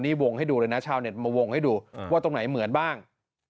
นี่วงให้ดูเลยนะชาวเน็ตมาวงให้ดูว่าตรงไหนเหมือนบ้าง